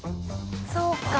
そうか。